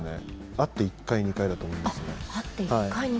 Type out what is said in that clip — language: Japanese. あって、１回か２回だと思います。